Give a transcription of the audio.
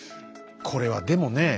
これはでもねえ